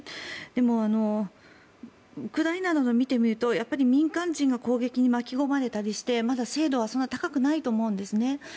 でも、ウクライナを見てみると民間人が攻撃に巻き込まれたりしてまだ精度はそんなに高くないと思うんですね。